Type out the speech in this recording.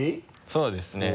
そうですね。